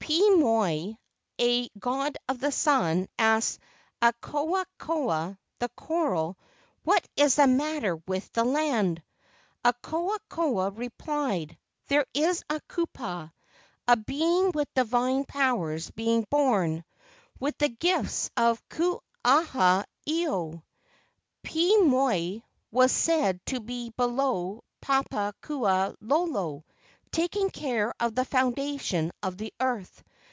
Pii moi, a god of the sun, asked Akoa koa, the coral, "What is the matter with the land? " Akoa koa replied, "There is a kupua—a being with divine powers— KE AU NINI 171 being born, with the gifts of Ku aha ilo." Pii moi was said to be below Papaku lolo, taking care of the foundation of the earth.